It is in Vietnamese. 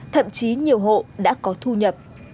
thậm chí nhiều hộ đã có thu nhập